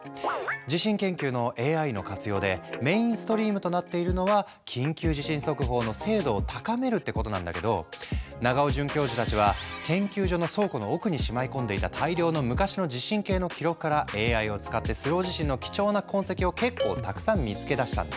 地震研究のＡＩの活用でメインストリームとなっているのは緊急地震速報の精度を高めるってことなんだけど長尾准教授たちは研究所の倉庫の奥にしまい込んでいた大量の昔の地震計の記録からＡＩを使ってスロー地震の貴重な痕跡を結構たくさん見つけ出したんだ。